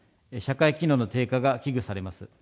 社会機能の低下が危惧されます。